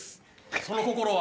その心は？